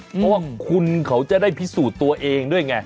เพราะว่าคุณเขาจะได้พิสูจน์ตัวเองด้วยไง